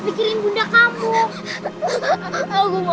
tangan bunda kamu